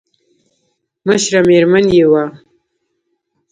مشره مېرمن يې وه.